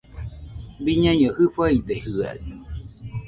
Biñaiño jɨfaide jɨaɨ